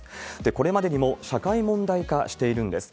これまでにも社会問題化しているんです。